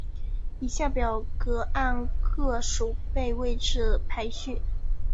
以下表格按各守备位置排序。